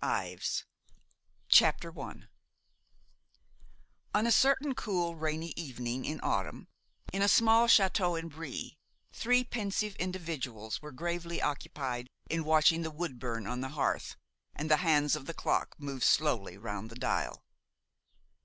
INDIANA PART FIRST I On a certain cool, rainy evening in autumn, in a small château in Brie, three pensive individuals were gravely occupied in watching the wood burn on the hearth and the hands of the clock move slowly around the dial.